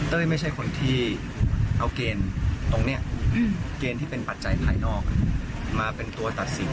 ไม่ใช่คนที่เอาเกณฑ์ตรงนี้เกณฑ์ที่เป็นปัจจัยภายนอกมาเป็นตัวตัดสิน